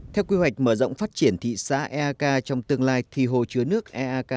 theo quy hoạch mở rộng phát triển thị xã eak trong tương lai thì hồ chứa nước eak